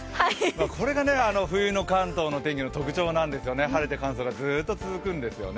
これが冬の関東の天気の特徴なんですよね、晴れて乾燥がずっと続くんですよね。